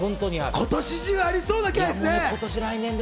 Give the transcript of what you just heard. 今年中にありそうな気配ですね！